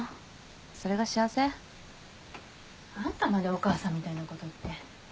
それが幸せ？あんたまでお母さんみたいなこと言って。